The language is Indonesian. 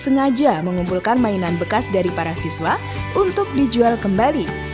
sengaja mengumpulkan mainan bekas dari para siswa untuk dijual kembali